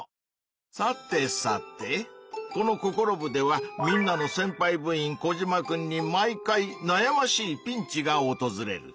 さてさてこの「ココロ部！」ではみんなのせんぱい部員コジマくんに毎回なやましいピンチがおとずれる。